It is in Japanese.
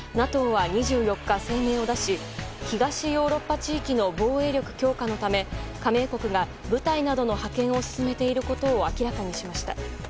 ＮＡＴＯは２４日声明を出し、東ヨーロッパ地域の防衛力強化のため加盟国が部隊などの派遣を進めていることを明らかにしました。